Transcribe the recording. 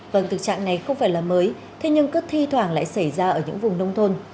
vâng thực trạng này không phải là mới thế nhưng cứ thi thoảng lại xảy ra ở những vùng nông thôn